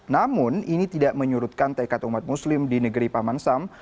namun ini tidak menyurutkan tekad umat muslim di negeri paman sam